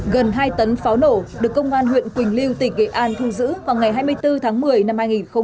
gần hai tấn pháo nổ được công an huyện quỳnh lưu tỉnh nghệ an thu giữ vào ngày hai mươi bốn tháng một mươi năm hai nghìn một mươi chín